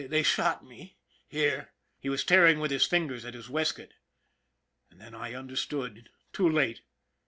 They shot me here " he was tearing with his fingers at his waistcoat. And then I understood too late.